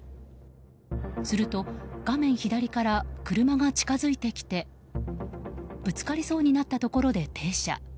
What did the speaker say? すると、画面左から車が近づいてきてぶつかりそうになったところで停車。